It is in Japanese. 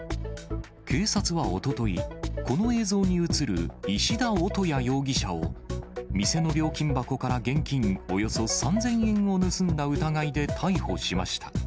警察はおととい、この映像に写る石田男也容疑者を、店の料金箱から現金およそ３０００円を盗んだ疑いで逮捕しました。